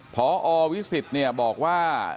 ผอวิสิตบอกว่า